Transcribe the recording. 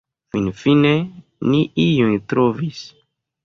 Finfine ni iun trovis.